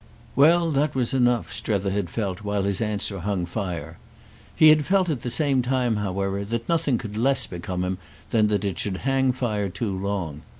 Well, that was enough, Strether had felt while his answer hung fire. He had felt at the same time, however, that nothing could less become him than that it should hang fire too long.